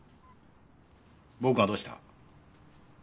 僕がどうした？